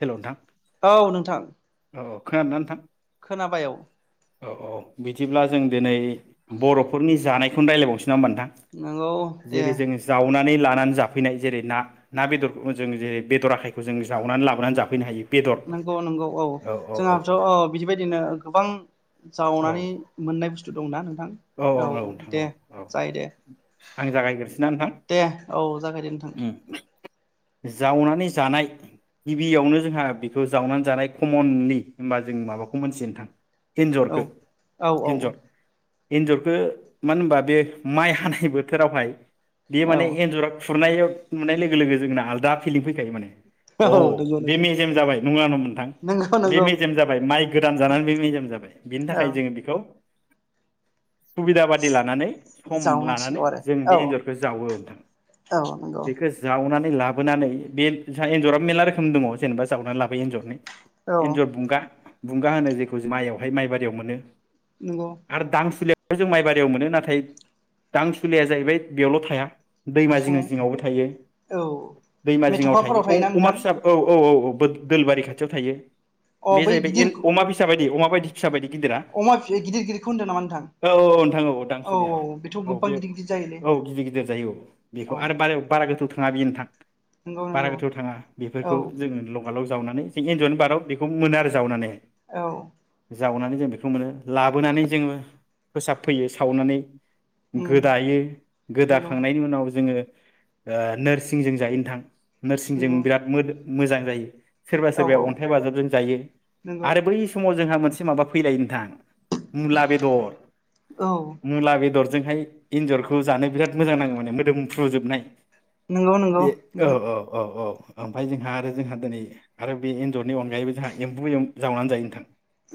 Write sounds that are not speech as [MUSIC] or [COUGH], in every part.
हेल' नोंथां औ औ खानादोंना नोंथां? [UNINTELLIGIBLE] औ औ बिदिब्ला जों दिनै बर'फोरनि जानाय खौनो रायलायबावसै नोंथां नंगौ दे जेरै जों जावनानै नानै लानानै जाफैनाय जेरै ना ना बेदरखौ जों जेरै बेदर आखाइखौ जों जावनानै लाबोनानै जाफैनो हायो। बेदर नंगौ नंगौ औ जोंहाथ' औ बिदिबायदिनो गोबां औ जावनानै मोननाय बुस्थु दंना नोंथां औ औ नोंथां दे औ औ जायो दे आं जागायग्रोसै ना नोंथां। दे औ जागाय दे नोंथां जावनानै जानाय गिबियावनो जोंहा बेखौ जावनानै जानाय कमनलि होनबा जों माबाखौ मोनथि नोंथां औ एन्जरखौ औ औ एन्जर एन्जरखौ मानो होनबा बे माइ हानाय बोथोरावहाय बे माने औ एन्जरा खुरनाय नुनाय लोगो लोगो लोगो जोंना आलदा फिलिं फैखायो माने अ नंगौ बे नोंथां मेजेम जाबाय नङा होनबा नोंथां नंगौ बे नंगौ मेजेम जाबाय माइ गोदान जानानै बे मेजेम जाबाय बेनि औ थाखाय जोङो बेखौ सुबिदा बादि लानानै सम जावनांसिगौ लानानै आरो जों औ बे एन्जरखौ जावो नोंथां औ नंगौ बेखौ जावनानै लाबोनानै बे जोंहा एन्जरा मेरला रोखोम दङ जेनेबा जावनानै लाबोयो एन्जरनि औ एन्जर बुंगा बुंगा होनो जेखौ माइआवहाय माइ बारियाव मोनो नंगौ आरो दां सुलिया जों माइबारियाव मोनो नाथाय दां सुलिया जाहैबाय बेयावल' थाया। दैमा जिं बिफाङाव जिंङावबो थायो औ दैमा जिङाव मेथ'खाफोराव थायो थायोना अमा नोंथां फिसा औ औ औ औ दोलबारि खाथियाव थायो अ बे बै गिदिर जाहैबाय अमा फिसा बायदि अमा बायदि फिसा बादि अमा गिदिर गिदिरखौ होनदों नामा नोंथां औ औ नोंथां औ दांसुलिया बेथ' औ गोबां बे गिदिर गिदिर जायोलै औ गिदिर गिदिर जायो औ बेखौ औ आरो बार बारा गोथौ नोंथां नंगौ बारा नंगौ गोथौ थाङा बेफोरखौ औ जोङो लगाल जावनानै जों एन्जरनि बार' बेखौ मोनो आरो जावनानै। औ जावनानै जों बेखो मोनो लाबोनानै जोङो फोसाबफैयो सावनानै उम गोदायो नंगौ गोदाखांनायनि उनाव जोङो ओ नोरसिंजों जायो नोथां नोरसिंजों नंगौ बिराद मोदो मोजां जायो सोरबा औ सोरबाया अन्थाइ बाजाबजों जायो नंगौ आरो बै समाव जोंहा मोन से माबा फैलायो नोंथां मुला बेदर औ मुला बेदर जोंहाय एन्जरखौ जानो बिराद मोजां नाङो माने मोदोमफ्रुजोबनाय नंगौ नंगौ बे ओ नोंथां ओ औ औ ओमफाय जोंहा आरो जोंहा दोनै आरो बे एन्जरनि अनगायैबो जोंहा एम्बु एव जावनानै जायो नोंथां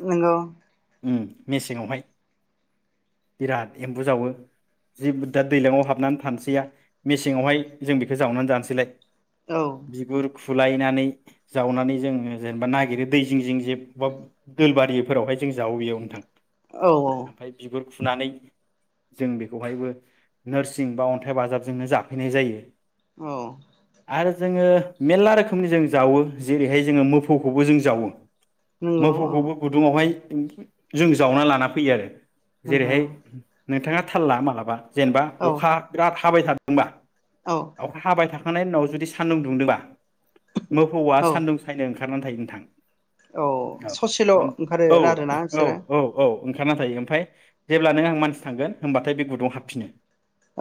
नोंगौ उम मेसेंङावहाय बिराद एम्बु जावो जिब दा दैलांआव हाबनान थानोसैया मेसेङावहाय जों बेखो जावनानै जानोसैलाय। औ बिगुर फुलायनानै जावनानै जोङो जेनेबा नागिरो दै जिं जिं जे [UNINTELLIGIBLE] दोल बारि फोरावहाय जों जावो इयाव नोंथां। औ औ। फुनानै जों बेखौहायबो नोरसिं बा अन्थाइ बाजाबजोंनो जाफैनाय जायो। अ। आरो जोङो मेल्ला रोखोमनि जों जावो। जेरैहाय जोङो मोफौखौबो जों जावो। नंगौ औ मोफौखौबो गुदुङावहाय [INAUDIBLE] जों जावना लाना फैयो आरो जेरैहाय नंगौ नोंथाङा थाल ला मालाबा जेनेबा औ अखा बिराद हाबाय थादोंबा। औ अखा हाबाय थाखा खांनायनि उनाव जुदि सान्दुं दुंदोबा मोफौआ सान्दुं सायनो ओं खारनानै थायो नोथां। अ ससेल' ओंखारो ना आरो ना औ औ इसोरा औ औ ओंखारना थायो ओमफाय जेब्ला नों आं मानसि थांगोन होमबाथाय बे गुदुंआव हाबफिनो।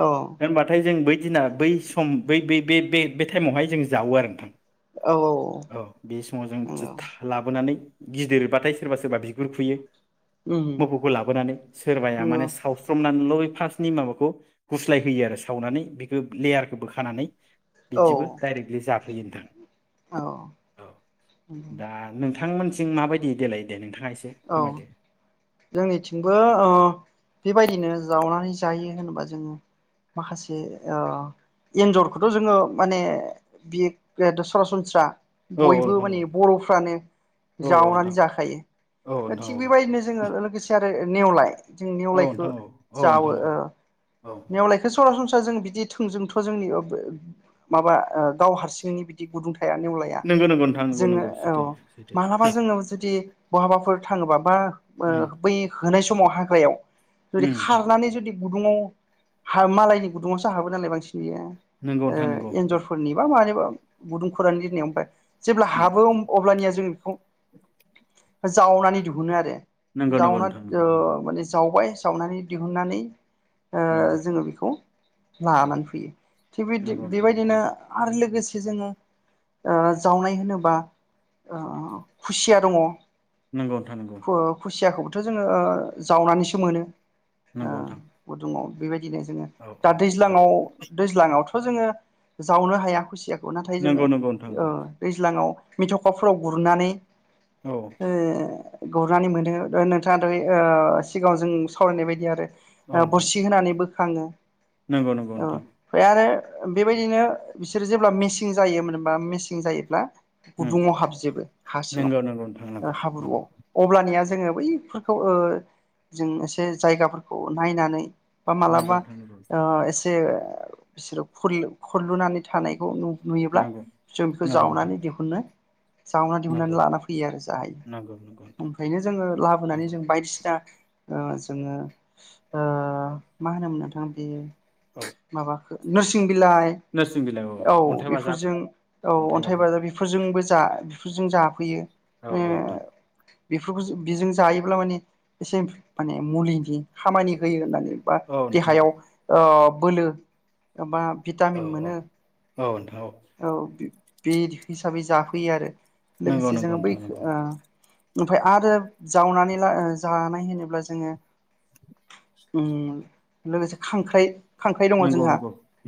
औ होनबाथाय जों बै बै दिना बै सम बै, बै बे टाइमावहाय जों जावो आरो नोंथां। औ औ औ बे समाव जों नंगौ [UNINTELLIGIBLE] लाबोनानै। गिदिरबाथाय सोरबा सोरबा बिगुर खुयो। उम मोफौखौ लाबोनानै सोरबाया नंगौ माने सावस्रमनानैल' फार्सनि माबाखौ गुस्लाय होयो आरो सावनानै बेखौ लेयारखौ बोखानानै औ बिदिबो डाइरेक्टलि जा औ [UNINTELLIGIBLE] औ नंगौ दा नों थांमोनथिं माबायदि देलाय दे नोंथाङा ए से औ फोरमायदो जोंनिथिंबो ओ बेबायदिनो जावनानै जायो होनोबा जोङो माखासे ओ एन्जरखौथ' जोङो माने बे [UNINTELLIGIBLE] सरासनस्रा औ बयबो नोंथां औ माने बर'फ्रानो औ औ जावनानै नोंथां जाखायो। औ थिग नोंथां बेबायदिनो जों लोगोसे आरो नेवलाय जों औ निवलायखौ नोंथां औ जावो नोंथां ओ औ औ नेवलायखौ सरासनस जों बिदि थोंजोंथ' जोंनि ओब ओ माबा ओ गाव हारसिंनि बिदि गुदुं थाया नेउलाया नंगौ नंगौ नोंथां नंगौ जोङो नंगौ सैथो औ सैथो मालाबा जोनाव जुदि बहाबाफोर थाङोबाबा ओ उम उम बै होनाय समाव हाग्रायाव जुदि नोंथां खारनानै जुदि गुदुङाव हा मालायनि गुदुंङावसो हाबो नालाय बांसिन या नंगौ ओ नोंथां नंगौ एन्जर फोरनि बा मानिबा गुदुं खुरनानै दिननायाव आमफ्राय जेब्ला उम हाबो अम अब्लानिया जों बेखौ जावनानै दिहुनो आरो। नंगौ नंगौ जावना नोंथां नंगौ ओ नंगौ माने जावबाय सावनानै दिहुननानै ओ नंगौ जोङो बेखौ औ लानानै फैयो, थिग बिदि नंगौ नोंथां बेबायदिनो आरो लोगोसे से जोङो ओ जावनाय होनोबा ओ खुसिया दङ नंगौ नंगौ नोंथां खु खुसियाखौ बोथ' जोङो ओ जावनानैसो मोनो। नंगौ ओ नोंथां गदुङाव गिनो जोङो औ दा औ औ दैज्लाङाव दैज्लाङावथ' खौ जोङो जावनो हाया खुसिया नाथाय जोङो नंगौ नंगौ नोंथां ओ नंगौ दैज्लाङाव मिथखा फ्राव गुरनानै औ ओ। गुरनानै मोनो ओ नोंथाङा दायो ओ सिगाङाव जों सावरायनाय बायदि आरो ओ बोरसि होनानैबो खाङो नोंगौ नोंगौ नोंथां ओ बेबायदिनो ओ बिसोरो जेब्ला मेसिं जायोमोनबा मेसिं जायोब्ला उम गुदुङाव हाबजोबो हा सिङाव नंगौ नंगौ नोंथां नंगौ ओ नंगौ हाब्रुआव अब्लानिया औ जोङो बै फोरखौ ओ जों एसे जायगाफोरखौ नायनानै बा नंगौ मालाबा नोंथां नंगौ ओ इस जे बिसोरो खरलु खरलुनानै थानायखौ नु नुयोब्ला नंगौ जों बिखौ नंगौ नोंथां जावनानै दिहुननो जावना दिहुननानै नंगौ लाना फैयो आरो जायो नंगौ नंगौ नोंथां ओमफायनो जोङो लाबोनानै नंगौ जों बायदिसिना ओ जोङो ओ मा होनोमोन नोंथां बेयो औ माबा नोरसिं बिलाइ नोरसिं बिलाइ औ अन्थाइ बाजाब बेफोरजों औ अन्थाय बाजाब इफोरजोंबो जा बेफोरजों जाफैयो औ औ ओ नोंथां बेफोरखौ जों बेजों जायोब्ला माने एसे माने मुलिनि खामानि होयो होननानै बा औ नोंथां देहायाव ओब बोलो एबा औ भिटामिन औ मोनो औ औ बि बि हिसाबै जाफैयो आरो नंगौ लोगोसे नंगौ जोङो नोंथां बैखौ नंगौ ओ ओमफ्राय आरो जावनानै ला जानाय होनोब्ला जोङो उम लोगोसे खांख्राइ खांख्राइ दङ नंगौ जोंहा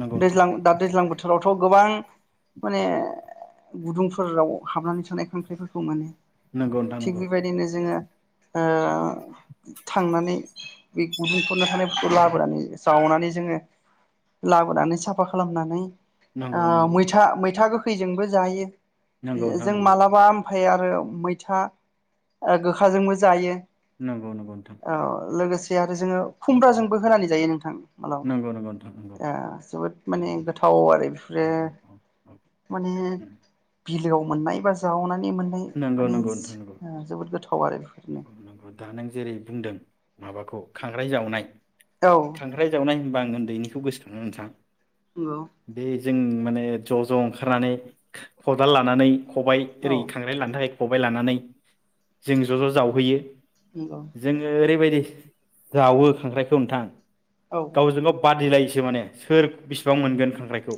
नंगौ दैज्लां दा दैज्लां बोथोराव थ' गोबां माने गुदुंफोराव हाबनानै थानाय खांख्राइफोरखौ माने नंगौ थिग नोंथां बेबायदिनो जोङो ओ थांनानै बे गुदुं खुरना‌ थानायफोरखौ लाबोनानै जावनानै जोङो लाबोनानै साफा खालामनानै ओ नंगौ नंगौ नोंथां मैथा मैथा गोखैजोंबो जायो नंगौ जों नंगौ मालाबा ओमफ्राय आरो मैथा ओ गोखा जोंबो जायो नंगौ नंगौ नोंथां ओ लोगोसे आरो जोङो खुमब्राजोंबो होनानै जायो नोंथां हेलौ ओ नंगौ नोंथां नंगौ नंगौ नोंथां नंगौ नोंथां नंगौ जोबोद माने नंगौ गोथाव आरो बेफोरो औ औ औ औ माने बिलोआव मोननाय बा जावना नंगौ नंगौ नोंथां नंगौ गोथाव आरो बेफोरनो नंगौ दा नों जेरै बुंदों माबाखौ खांख्राइ जावनाय औ खांख्राय जावनाय बा आ उन्दैनिखौ गोसोखाङो नोंथां बे [UNINTELLIGIBLE] जों माने ज ज ओंखारनानै खदाल लानानै खबाइ औ ओरै खान्थाइ खबाय लानानै जों ज ज जावहैयो नंगौ जोङो ओरै बायदि जावो खांख्राइखौ नोंथां औ गावजों गाव बादिलायोसो माने सोर बिसिबां मोनगोन खांख्रायखौ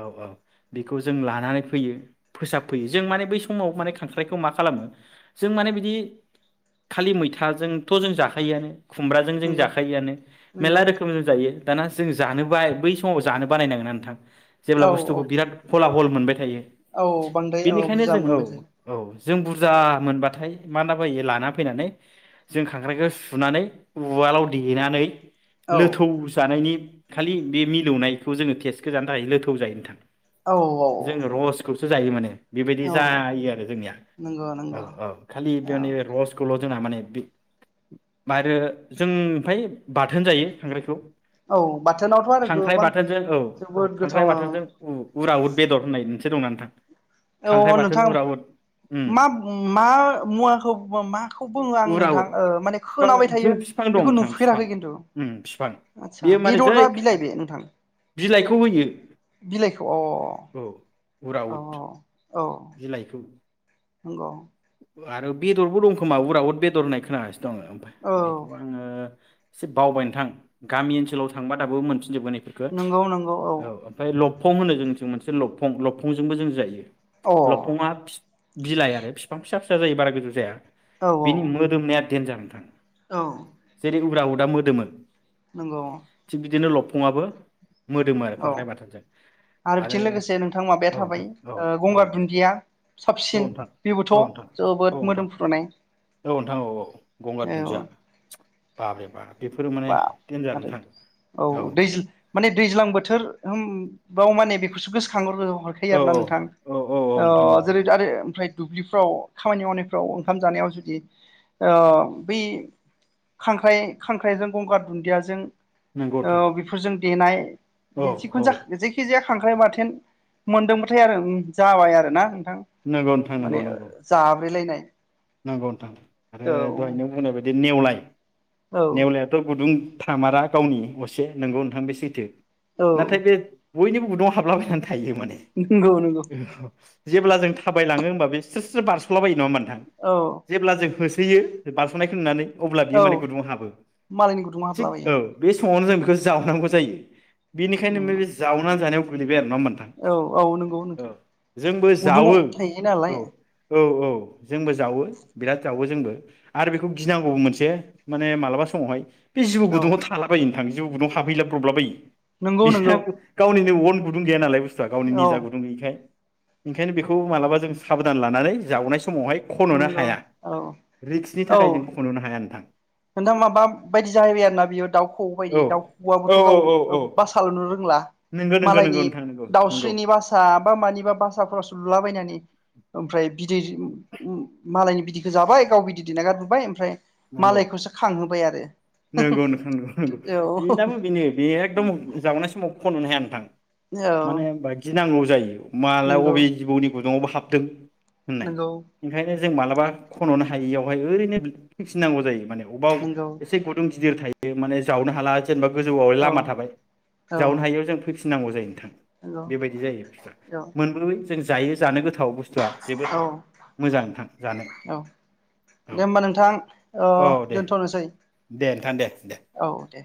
औ औ बिखौ जों लानानै फैयो फोसाबफैयो जों माने बै समाव माने खांख्राइखौ मा खालामो जों माने बिदि खालि मैथाजोंथ जों जाखायोयानो खुमब्राजों जों नंगौ जाखायोयानो मेरला नंगौ रोखोमजों जायो दाना जों जानो बायो बै समाव जानो बानाय नाङोना नोंथां औ जेब्ला बुस्थुखौ बिराद [UNINTELLIGIBLE] मोनबाय थायो औ बांद्राय औ बिनिखायनो बुरजा जों औ मोनबाय थायो औ जों बुरजा मोनबाथाय [UNINTELLIGIBLE] लाना फैनानै जों खांख्राइखो सुनानै उवा लाव देनानै औ लोथौ जानायनि खालि बि मिलौनायखौ जोङो टेस्टखो जानो थाखाय लोथौ जायो नोंथां। औ औ। जों रसखौसो जायो माने। बेबायदि औ जायो आरो जोंनिया नंगौ नंगौ खालि बेयाव औ नैबे रसखौल' जोंना माने बि [UNINTELLIGIBLE] जों ओमफाय बाथोन जायो। खांख्राइखौ औ बाथोनावथ' आरो खांख्राइ गोबां बाथोनजों औ जोबोद खांख्राइ गोथाव बाथोनजों उ उराउद बेदर होननाय मोनसे दंना नोंथां औ खांख्राइ अ बाथोन नोंथां उराउद उम मा मा मुवाखौ माखौ बुङो आं नोंथां उराउद ओ माने बिफां खोनाबाय जों थायो बिफां दं बेखौ नोंथां बिफां नुफेराखै किन्तु। उम फिफां बेयो माने जै नोंथां बिलाइखौ होयो बिलाइखौ अ औ। औ उराउद औ बिलाइखौ नंगौ? आरो बेदरबो दंखोमा उराउद बेदर होननाय खोनागा दं आमफाय औ बेखौ आङो [UNINTELLIGIBLE] बावबाय नोंथां गामि ओनसोलाव थांबा दाबो मोनफि जोबगोन इफोरखो नंगौ नंगौ औ ओमफाय लबखं जोंनिथिं मोनसे लबकफं लबफंजों जायो। अ लबफंआ बिलाइ आरो फिफां फिसा फिसा जायो बारा गोजौ जाया। औ बिनि मोदोमनाया देनजार नोंथां। औ। जेरै उराउदा मो दोनों नंगौ थिग बिदिनो लब फङाबो औ आरो बिथिं लोगोसे नोंथां माबाया औ नोंथां थाबाय औ औ गंगार दुन्दिया औ साबसिन नोंथां बेबोथ' औ नोंथां औ जोबोद नोंथां मोदोमफ्रुनाय। औ नोंथां औ औ। गंगार औ दुन्दिया [UNINTELLIGIBLE] बाबरे बाब बा [UNINTELLIGIBLE] औ दैज माने दैज्लां बोथोर होन बाव माने बेखौसो गोसोखांहरो। हरखायो औ आरो ना नोंथां औ औ औ अ नोंथां औ जेरै आरो ओमफ्राय दुब्लिफ्राव खामानि मावनायफ्राव ओंखाम जानायाव जुदि ओ बै खांख्राय खां ख्राइजों गंगार दुन्दियाजों नंगौ नोंथां औ बेफोरजों देनाय औ औ जिखुनजा जेखिजाया खांख्राइ बाथेन मोनदोंबाथाय आरो उम जाबाय आरो ना नोथां नंगौ माने जाब्रेलायनाय। नांगौ नोंथां आरो औ दहाय नों बुंनाय बायदि नेवलाय औ नेवलायाथ' गुदुं थामारा गावनि असे नोंगौ नोंथां बे सैथो। औ नाथाय बे बयनिबो गुदुङाव हाबला बायनानै थायो माने। नंगौ नंगौ जेब्ला जों थाबायलाङो होनबा बे स्रो स्रो बारस'लाबायो नङा होनबा नोंथां? औ जेब्ला जों हो सोयो बारस'नायखौ नुनानै अब्ला बियो औौ माने गुदुंङाव हाबो मालायनि गुदुङाव थिग हाबलाबायो औ बे [UNINTELLIGIBLE] जों बेखौ जावनांगौ जायो। बिनिखायनो उम बे जावनानै जानायाव गोलैबाय आरो नङा होनबा नोंथां? औ औ नंगौ औ नोंथां जोंबो गुदुङाव जावो थायो औ नालाय औ औ। जोंबो जावो बिराद जावो जोंबो आरो बेखौ गिनांगौ मोनसे माने मालाबा समावहाय बे जिबौ औ गुदुंआव थालाबायो। [INAUDIBLE] गुदुङाव हाबहैलाब्रबला बायो। नंगौ बिसा नंगौ गावनिनो [INAUDIBLE] गुदुं गैया नालाय गावनि औ निजा गुुं गैयैखाय ओंखायनो बेखौ मालाबा जों साबधान लानानै जावनाय समावहाय खन'नो हा- नंगौ हाया औ रिक्सनि थाखाय औ जों खन'नो हाया नोंथां। नोंथां माबा बायदि जाहैबाय आरोना बियो दाउ खौऔ बायदि औ दाउ औ खौऔबोथ' औ गाव औ औ बासा लुननो रोंला नंगौ नंगौ नंगौ मालायनि नोंथां नंगौ नंगौ दाउस्रिनि बासा बा मानिबा बासाफ्रावसो लुलाबायनानै ओमफ्राय बिदै मालायनि बिदैखौ जाबाय गाव बिदै दै नागारबोबाय ओमफ्राय नंगौ। मालायखौसो खांहोबाय आरो नंगौ नों नंगौ नंगौ औ बेनाबो बेनो बे एकदम जाबावनाय समाव खन'नो हाया थां औ माने गिनांगौ जायो मालाय नंगौ बबे जिबौनि गुङावबा हाब दों होननाय नंगौ ओंखायनो जों मालाबा खन'नो हायियावहाय ओरैनो फैफिनांगौ जायो माने अबाव नंगौ एसे गुदुं गिदिर थायो माने जावनो हाला जेनेबा गोजौआवाय औ लामा थाबाय औ जावनो हायैआव जों फै गिनांगौ जायो नोंथां नंगौ बेबायदि जायो बुस्थुआ औ मोनबै जों जायो जानो गोथ गोथाव बुस्थुआ जोबोद औ मोजां नोंथां जानो औ अ औ दे दोनथ'नोसै दे नोंथां दे दे दे औ दे